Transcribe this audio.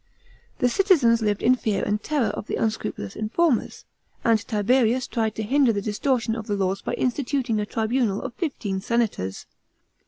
The citizens lived in fear and terror of the unscrupulous informers; and Tiberius tried to hinder the distortion of the laws by instituting a tribunal of fifteen senators.